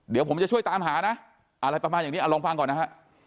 เดี๋ยวผมจะช่วยตามหานะอะไรประมาณอย่างนี้ลองฟังก่อนนะฮะ